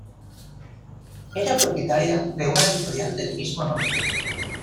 Era propietaria de una editorial del mismo nombre.